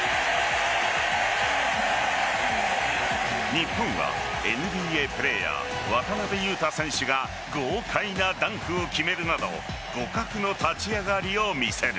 日本はＮＢＡプレーヤー渡邊雄太選手が豪快なダンクを決めるなど互角の立ち上がりを見せる。